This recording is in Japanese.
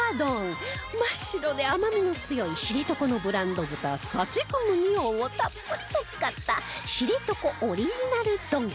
真っ白で甘みの強い知床のブランド豚サチク麦王をたっぷりと使った知床オリジナル丼